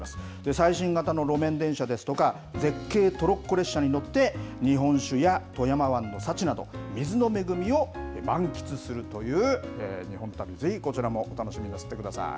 最新型の路面電車ですとか、絶景トロッコ列車に乗って、日本酒や富山湾の幸など、水の恵みを満喫するという日本旅、ぜひこちらも楽しみになさってください。